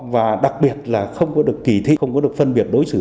và đặc biệt là không có được kỳ thi không có được phân biệt đối xử